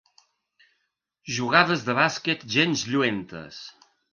Jugades de bàsquet gens lluentes.